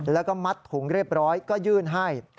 แล้วก็มัดถุงเรียบร้อยก็ยื่นให้